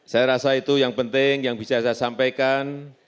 saya rasa itu yang penting yang bisa saya sampaikan